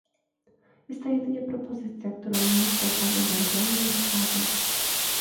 Jest to jedynie propozycja, którą mógłby pan ewentualnie rozważyć